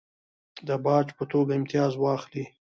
د باج په توګه امتیاز واخلي.